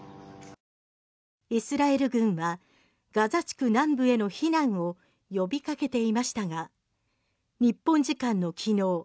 イスラエル軍はガザ地区南部への避難を呼びかけていましたが日本時間のきのう